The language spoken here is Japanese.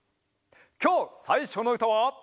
きょうさいしょのうたは。